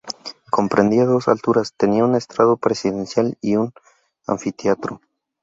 Comprendía dos alturas, tenía un estrado presidencial y un anfiteatro.